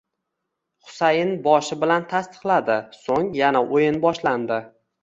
Husayin boshi bilan tasdiqladi, so'ng, yana o'yin boshlandi.